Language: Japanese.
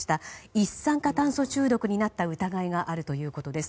一酸化炭素中毒になった疑いがあるということです。